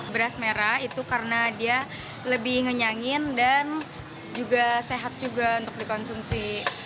beras merah itu karena dia lebih ngenyangin dan juga sehat juga untuk dikonsumsi